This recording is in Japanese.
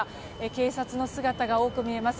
警察の姿が多く見えます。